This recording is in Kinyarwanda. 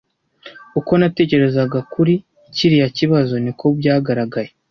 Uko natekerezaga kuri kiriya kibazo, niko byagaragaye.